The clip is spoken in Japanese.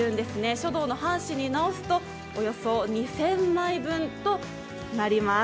書道の半紙に直すとおよそ２０００枚分となります。